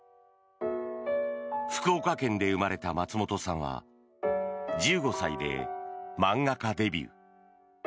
福岡県で生まれた松本さんは１５歳で漫画家デビュー。